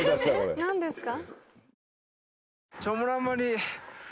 何ですか？